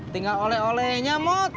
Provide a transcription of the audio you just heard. tinggal oleh olenya mod